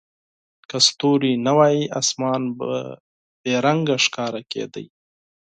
که ستوري نه وای، اسمان به بې رنګه ښکاره کېده.